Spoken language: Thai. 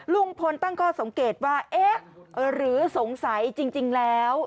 ลุงพลตั้งข้อสังเกตว่าเอ๊ะหรือสงสัยจริงแล้ว